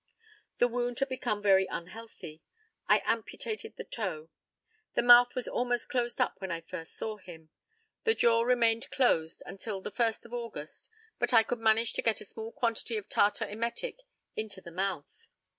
The wound had become very unhealthy. I amputated the toe. The mouth was almost closed up when I first saw him. The jaw remained closed until the 1st of August, but I could manage to get a small quantity of tartar emetic into the mouth.